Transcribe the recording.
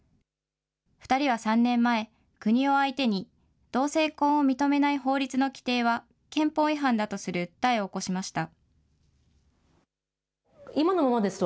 ２人は３年前、国を相手に同性婚を認めない法律の規定は憲法違反だとする訴えを起こしました。